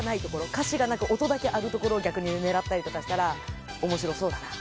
歌詞がなく音だけあるところを逆に狙ったりとかしたら面白そうだな。